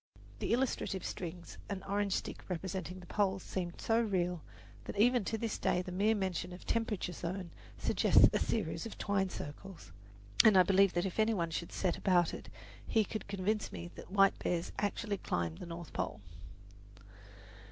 The illustrative strings and the orange stick representing the poles seemed so real that even to this day the mere mention of temperate zone suggests a series of twine circles; and I believe that if any one should set about it he could convince me that white bears actually climb the North Pole.